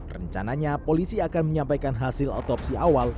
rencananya polisi akan menyampaikan hasil otopsi awal